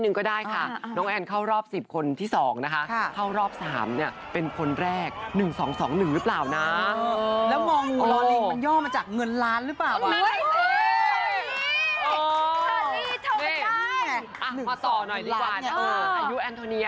ผู้ชมค่ะปีนี้เป็นครั้งที่๗๒